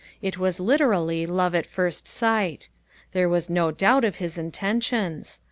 It was literally love at first sight. There was no doubt of his intentions.